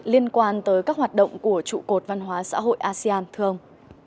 liên quan tới các hoạt động của trụ cột văn hóa xã hội asean thường